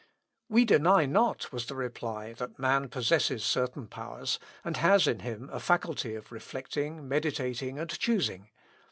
"We deny not," was the reply, "that man possesses certain powers, and has in him a faculty of reflecting, meditating, and choosing.